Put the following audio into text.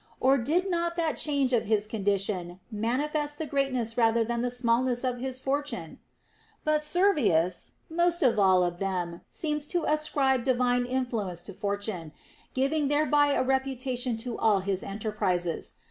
Or did not that change of his condition manifest the greatness rather than the smallness of his fortune % But Servius most of all of them seems to ascribe divine influence to Fortune, ffivinsr thereby a reputation to all his enterprises.